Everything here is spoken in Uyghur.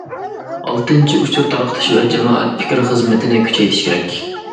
ئالتىنچى، ئۇچۇر تارقىتىش ۋە جامائەت پىكرى خىزمىتىنى كۈچەيتىش كېرەك.